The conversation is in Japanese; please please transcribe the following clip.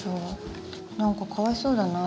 何かかわいそうだな。